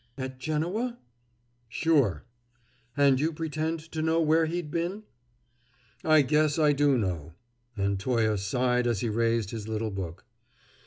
"At Genoa?" "Sure." "And you pretend to know where he'd been?" "I guess I do know" and Toye sighed as he raised his little book.